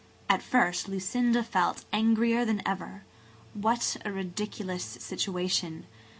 At first Lucinda felt angrier than ever. What a ridiculous situation!